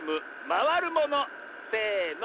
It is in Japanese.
「まわるもの」